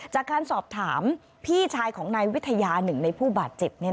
จากการสอบถามพี่ชายของนายวิทยาหนึ่งในผู้บาดเจ็บ